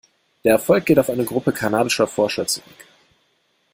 Der Erfolg geht auf eine Gruppe kanadischer Forscher zurück.